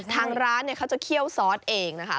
ทางร้านเขาจะเคี่ยวซอสเองนะคะ